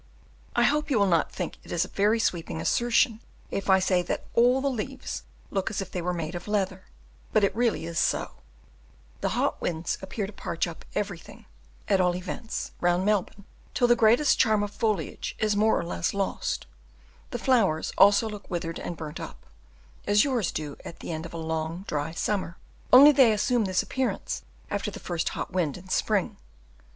I hope you will not think it a very sweeping assertion if I say that all the leaves look as if they were made of leather, but it really is so; the hot winds appear to parch up everything, at all events, round Melbourne, till the greatest charm of foliage is more or less lost; the flowers also look withered and burnt up, as yours do at the end of a long, dry summer, only they assume this appearance after the first hot wind in spring.